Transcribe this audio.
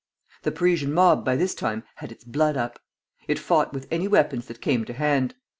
The Parisian mob by this time had its blood up. It fought with any weapons that came to hand.